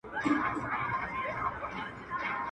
په مجلس کي ږغېدی لکه بلبله.